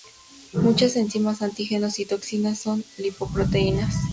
Muchas enzimas, antígenos y toxinas son lipoproteínas.